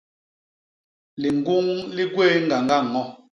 Liñguñ li gwéé ñgañga ño.